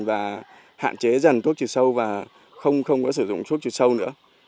và hạn chế dần thuốc trừ sâu và không có sử dụng thuốc trừ sâu nữa